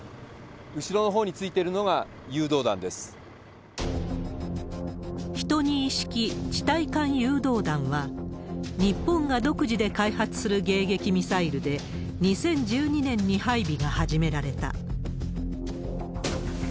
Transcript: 後ろのほうについているのが誘導１２式地対艦誘導弾は、日本が独自で開発する迎撃ミサイルで、２０１２年に配備が始められた。